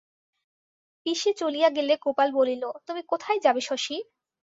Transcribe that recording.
পিসি চলিয়া গেলে গোপাল বলিল, তুমি কোথায় যাবে শশী?